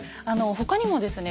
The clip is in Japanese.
他にもですね